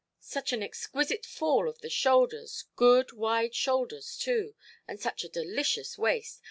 Such an exquisite fall of the shoulders—good wide shoulders too—and such a delicious waist!